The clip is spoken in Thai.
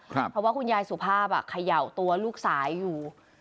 เพราะว่าคุณยายสุภาพเขย่าตัวลูกสาวอยู่